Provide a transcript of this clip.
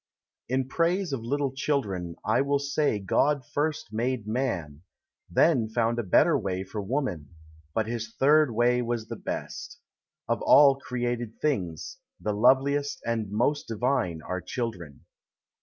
In praise of little children I will say God first made man, then found a better way For woman, but his third way was the best. Of all created things, the loveliest And most divine are children.